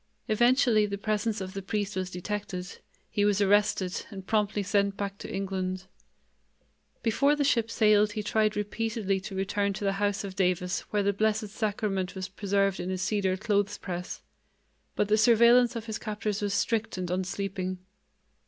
Eventually the presence of the priest was detected; he was arrested and promptly sent back to England. Before the ship sailed he tried repeatedly to return to the house of Davis where the Blessed Sacrament was preserved in a cedar clothes press, but the surveillance of his captors was strict and unsleeping.